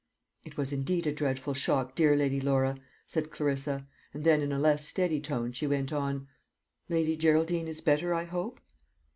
"It was indeed a dreadful shock, dear Lady Laura," said Clarissa; and then in a less steady tone she went on: "Lady Geraldine is better, I hope?"